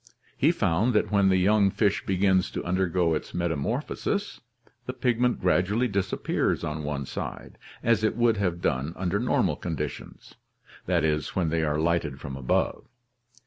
He found that when the young fish begins to undergo its metamorphosis, the pigment gradually disappears on one side, as it would have done under normal conditions, i. e., when they are lighted from above.